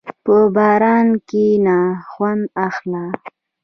په باران کښېنه، خوند اخله.